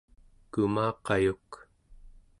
kumaqayuk